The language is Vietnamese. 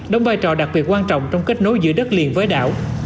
đóng vai trò đặc biệt quan trọng trong kết nối giữa đất liền với đảo